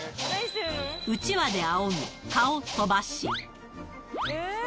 うちわであおぎ、蚊を飛ばし。